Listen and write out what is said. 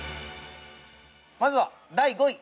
◆まずは、第５位。